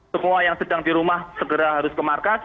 semua yang sedang di rumah segera harus ke markas